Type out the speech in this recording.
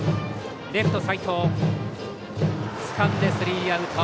レフト、齊藤つかんでスリーアウト。